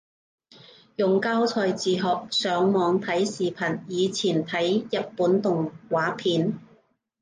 用教材自學，上網睇視頻，以前睇日本動畫片